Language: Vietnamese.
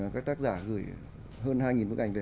các tác giả gửi hơn hai bức ảnh về